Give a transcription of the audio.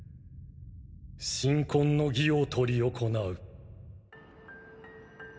神婚の儀を執り行う。